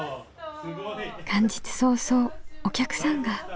元日早々お客さんが。